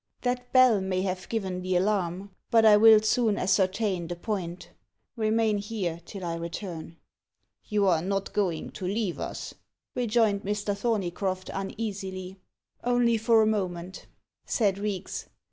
"That bell may have given the alarm. But I will soon ascertain the point. Remain here till I return." "You are not going to leave us?" rejoined Mr. Thorneycroft uneasily. "Only for a moment," said Reeks.